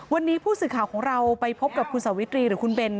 วันนี้ผู้สื่อข่าวของเราไปพบกับคุณสาวิตรีหรือคุณเบน